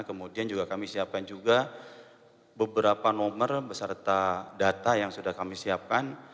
kemudian juga kami siapkan juga beberapa nomor beserta data yang sudah kami siapkan